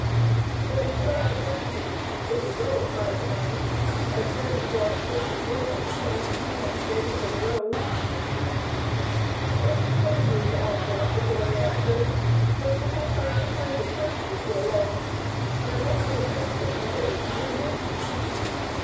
"But you will have something to eat before you go?" cried the man, as Stanislaus stood before him, staff in hand, ready for the road. "It is good of you to offer it," the boy answered. "But perhaps I shall find a church before long, and I must go fasting to Holy Communion."